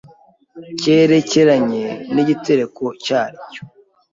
cyerekeranye nigitereko cyacyo.